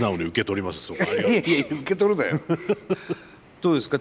どうですか？